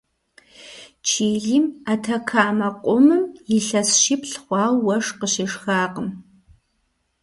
Чилим, Атакамэ къумым, илъэс щиплӏ хъуауэ уэшх къыщешхакъым.